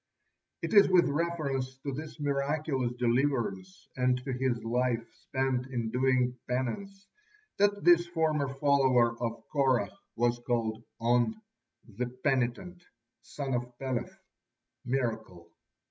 It is with reference to this miraculous deliverance and to his life spent in doing penance that this former follower of Korah was called On, "the penitent," son of Peleth, "miracle."